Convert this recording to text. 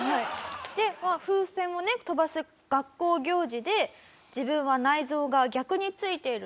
でまあ風船をね飛ばす学校行事で「自分は内臓が逆に付いている。